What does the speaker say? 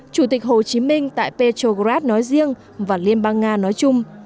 chủ tịch hồ chí minh tại petrograt nói riêng và liên bang nga nói chung